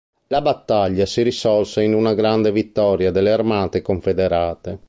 La battaglia si risolse in una grande vittoria delle armate confederate.